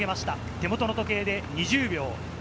手元の時計で２０秒。